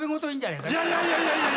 いやいやいやいや！